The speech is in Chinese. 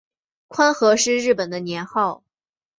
宽和是日本的年号。